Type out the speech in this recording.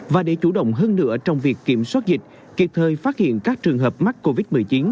và để chủ động hơn nữa trong việc kiểm soát dịch kịp thời phát hiện các trường hợp mắc covid một mươi chín